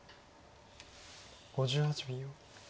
５８秒。